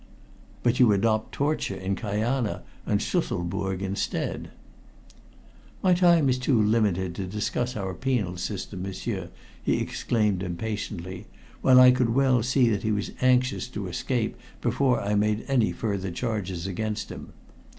"But you adopt torture in Kajana and Schusselburg instead." "My time is too limited to discuss our penal system, m'sieur," he exclaimed impatiently, while I could well see that he was anxious to escape before I made any further charges against him.